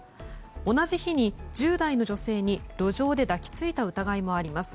同じ日に、１０代の女性に路上で抱き着いた疑いもあります。